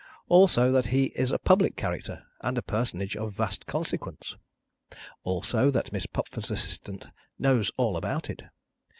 Also, that he is a public character, and a personage of vast consequence. Also, that Miss Pupford's assistant knows all about it.